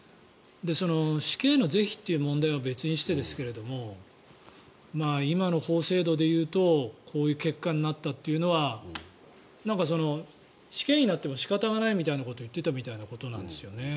死刑の是非っていう問題は別にしてですが今の法制度で言うとこういう結果になったというのはなんか、死刑になっても仕方がないみたいなことを言っていたみたいなんですよね。